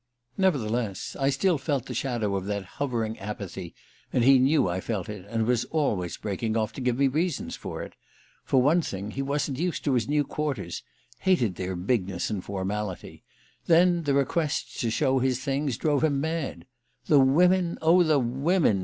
Nevertheless, I still felt the shadow of that hovering apathy, and he knew I felt it, and was always breaking off to give me reasons for it. For one thing, he wasn't used to his new quarters hated their bigness and formality; then the requests to show his things drove him mad. "The women oh, the women!"